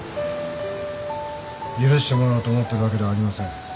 許してもらおうと思ってるわけではありません。